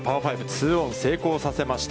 ツーオン成功させました。